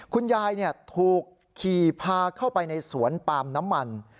คุณยายถูกขี่พาเข้าไปในสวนปาล์มน้ำมัน